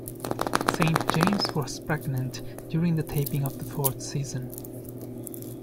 Saint James was pregnant during the taping of the fourth season.